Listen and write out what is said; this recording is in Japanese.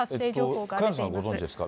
萱野さんご存じですか。